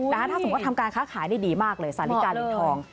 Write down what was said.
ถ้าสมมติว่าทำการค้าขายนี่ดีมากเลยสาธาริกาลิ้นทอง